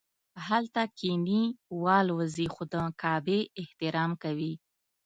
هلته کښیني والوځي خو د کعبې احترام کوي.